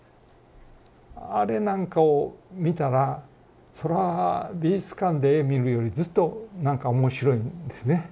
あれなんかを見たらそらぁ美術館で絵見るよりずっとなんか面白いんですね。